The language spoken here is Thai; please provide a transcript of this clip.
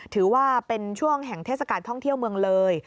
ถือว่าเป็นช่วงแห่งเทศกาลท่องเที่ยวเมืองเลย